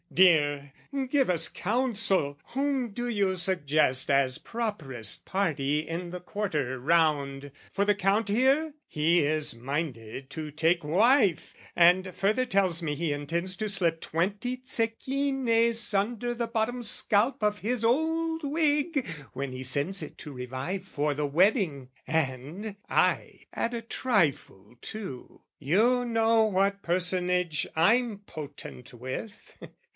"'Dear, give us counsel! Whom do you suggest "'As properest party in the quarter round, "'For the Count here? he is minded to take wife, "'And further tells me he intends to slip "'Twenty zecchines under the bottom scalp "'Of his old wig when he sends it to revive "'For the wedding: and I add a trifle too. "'You know what personage I'm potent with.'"